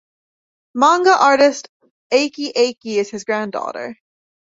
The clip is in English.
Manga artist Eiki Eiki is his granddaughter.